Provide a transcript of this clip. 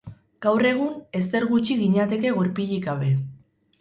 Gaur egun, ezer gutxi ginateke gurpilik gabe.